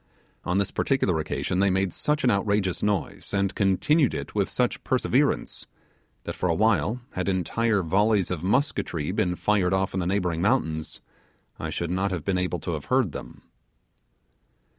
On this particular occasion they made such an outrageous noise, and continued it with such perseverance, that for awhile, had entire volleys of musketry been fired off in the neighbouring mountains, I should not have been able to have heard them.